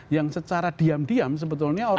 yang secara diam diam sebetulnya